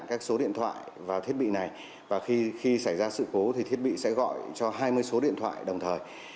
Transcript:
các số điện thoại vào thiết bị này và khi xảy ra sự cố thì thiết bị sẽ gọi cho hai mươi số điện thoại đồng thời